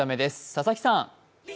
佐々木さん。